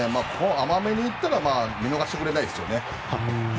甘めに行ったら見逃してくれないですよね。